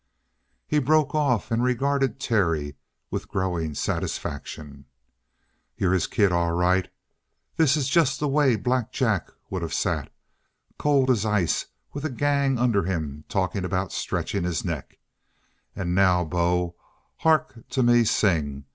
He broke off and regarded Terry with a growing satisfaction. "You're his kid, all right. This is just the way Black Jack would of sat cool as ice with a gang under him talking about stretching his neck. And now, bo, hark to me sing!